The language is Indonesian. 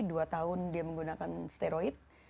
dua tahun dia menggunakan steroid